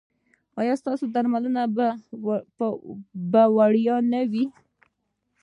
ایا ستاسو درملنه به وړیا نه وي؟